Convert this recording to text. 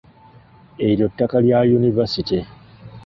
Eryo ttaka lya yunivaasite?